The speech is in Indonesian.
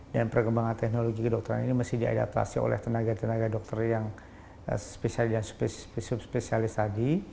dan perkembangan teknologi kedokteran ini masih diadaptasi oleh tenaga tenaga dokter yang spesialis dan subspesialis tadi